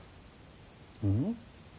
うん？